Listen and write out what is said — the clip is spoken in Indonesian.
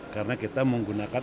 karena kita menggunakan